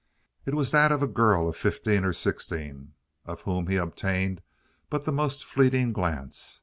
It was that of a girl of fifteen or sixteen, of whom he obtained but the most fleeting glance.